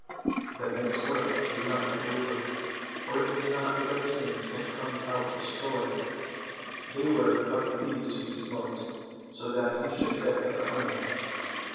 The night's work was not yet over, for it was not the redskins he had come out to destroy; they were but the bees to be smoked, so that he should get at the honey.